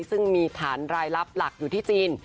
ซึ่งมีฐานรายลับหลักอยู่ที่จีน